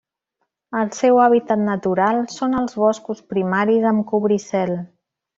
El seu hàbitat natural són els boscos primaris amb cobricel.